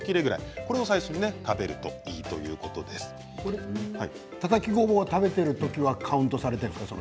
これを最初に食べるといいたたきごぼうを食べている時はカウントされているの？